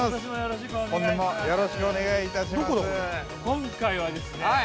◆今回はですね